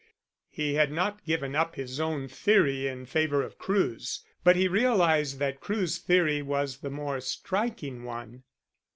He had not given up his own theory in favour of Crewe's, but he realized that Crewe's theory was the more striking one.